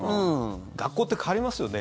学校って変わりますよね。